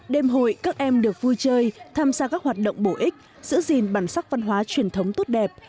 đêm hội các em được vui chơi tham gia các hoạt động bổ ích giữ gìn bản sắc văn hóa truyền thống tốt đẹp